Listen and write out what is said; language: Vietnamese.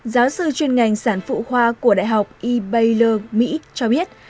giáo sư chuyên ngành sản phụ khoa của đại học e bali mỹ cho biết